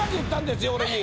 俺に！